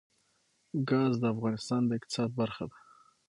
ګاز د افغانستان د اقتصاد برخه ده.